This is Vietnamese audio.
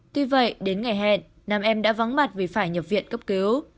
tuy vậy đến ngày hẹn nam em đã vắng mặt vì phải nhập viện cấp cứu